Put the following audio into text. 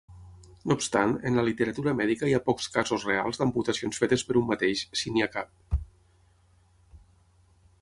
No obstant, en la literatura mèdica hi ha pocs casos reals d'amputacions fetes per un mateix, si n'hi ha cap.